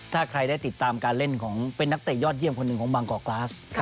ถ้าใครได้ติดตามการเล่นเป็นนักเตะยอดเยี่ยมของบางก่อกลาส